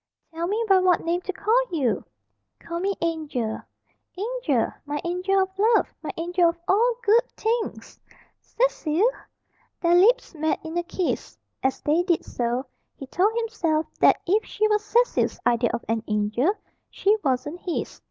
"Tell me by what name to call you!" "Call me Angel." "Angel! My angel of love! My angel of all good things!" "Cecil!" Their lips met in a kiss. As they did so, he told himself that if she was Cecil's idea of an angel, she wasn't his.